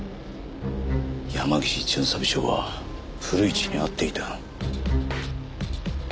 山岸巡査部長は古市に会っていた。